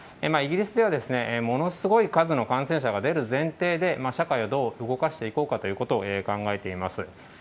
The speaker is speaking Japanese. イギリスでは、ものすごい数の感染者が出る前提で、社会をどう動かしていこうかということを考えています。